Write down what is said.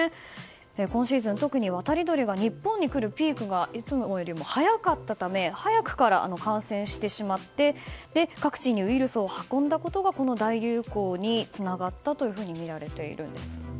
今シーズン、特に渡り鳥が日本に来るピークがいつもより早かったため早くから感染してしまって各地にウイルスを運んだことがこの大流行につながったというふうにみられているんです。